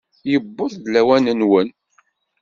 Yewweḍ-d lawan-nwen!